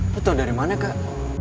lo tau dari mana kak